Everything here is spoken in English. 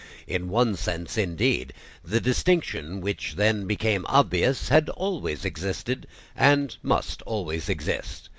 In one sense, indeed, the distinction which then became obvious had always existed, and always must exist.